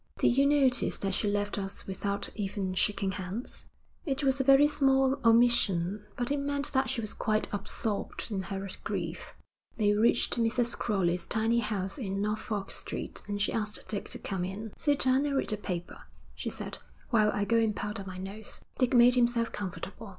'Did you notice that she left us without even shaking hands? It was a very small omission, but it meant that she was quite absorbed in her grief.' They reached Mrs. Crowley's tiny house in Norfolk Street, and she asked Dick to come in. 'Sit down and read the paper,' she said, 'while I go and powder my nose.' Dick made himself comfortable.